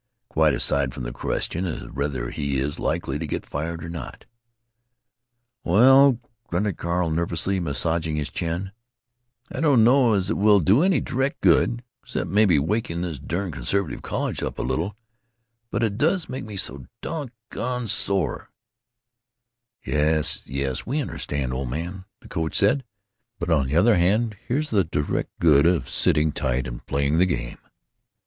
Quite aside from the question of whether he is likely to get fired or not." "Well," grunted Carl, nervously massaging his chin, "I don't know as it will do any direct good—except maybe waking this darn conservative college up a little; but it does make me so dog gone sore——" "Yes, yes, we understand, old man," the coach said, "but on the other hand here's the direct good of sitting tight and playing the game.